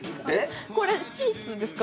これシーツですか？